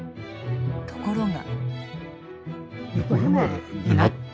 ところが。